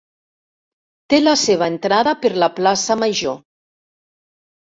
Té la seva entrada per la plaça major.